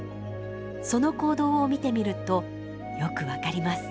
その行動を見てみるとよく分かります。